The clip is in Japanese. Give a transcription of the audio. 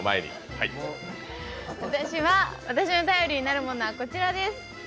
私の頼りになるものはこちらです。